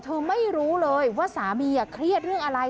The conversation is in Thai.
เธอบอกท่านไม่รู้เลยว่าสามีเครียดเรื่องอะไร